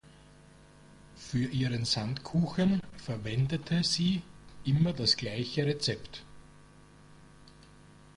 Für ihren Sandkuchen verwendete sie immer das gleiche Rezept.